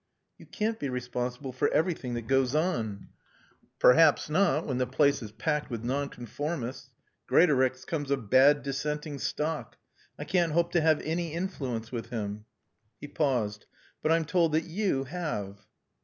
"You can't be responsible for everything that goes on." "Perhaps not when the place is packed with nonconformists. Greatorex comes of bad dissenting stock. I can't hope to have any influence with him." He paused. "But I'm told that you have."